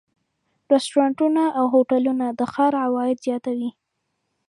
رستورانتونه او هوټلونه د ښار عواید زیاتوي.